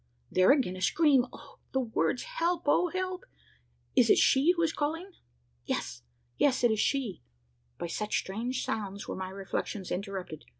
There again! a scream! the words, "Help, oh! help!" Is it she who is calling? Yes yes it is she! By such strange sounds were my reflections interrupted.